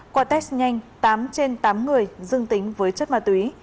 qua test nhanh tám trên tám người dương tính với chất ma túy